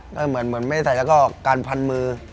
ก็เหมือนไม่ใส่แล้วก็การพันมือ